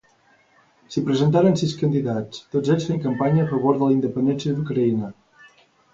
S'hi presentaren sis candidats, tots ells fent campanya a favor de la independència d'Ucraïna.